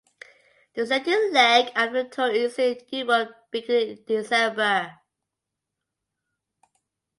The second leg of the tour is in Europe beginning in December.